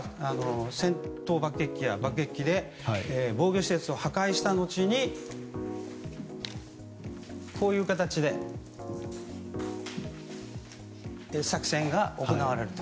戦闘爆撃機や爆撃機で防御施設を破壊した後にこういう形で作戦が行われると。